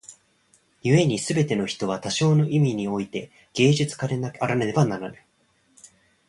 故に凡ての人は多少の意味に於て芸術家であらねばならぬ。